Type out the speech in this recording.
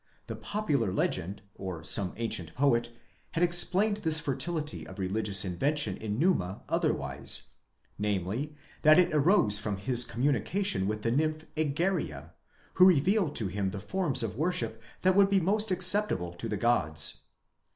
The popular legend, or some ancient poet, had explained this fertility of religious inven tion in Numa otherwise ; namely, that it arose from his communication with the nymph Egeria, who revealed to bim the forms of worship that would be most acceptable to the gods.